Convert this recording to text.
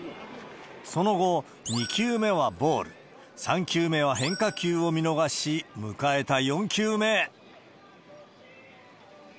その後、２球目はボール、３球目は変化球を見逃し、迎えた４球目。